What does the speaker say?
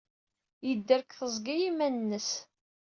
Yedder deg teẓgi i yiman-nnes.